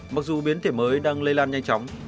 mặc dù biến thể mới đang lây lan nhanh chóng